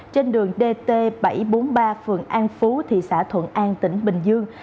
trên đường dt bảy trăm bốn mươi ba phường an phú thị xã thuận an tỉnh bình dương